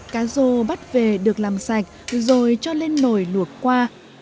cá rô bắt về được làm sạch rồi cho lên nồi luộc qua